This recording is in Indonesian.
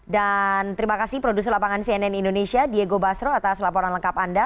dan terima kasih produser lapangan cnn indonesia diego basro atas laporan lengkap anda